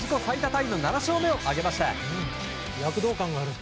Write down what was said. タイの７勝目を挙げました。